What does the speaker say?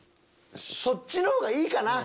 そっちの方がいいかな。